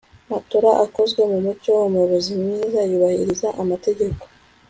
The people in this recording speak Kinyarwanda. matora akozwe mu mucyo. umuyobozi mwiza yubahiriza amategeko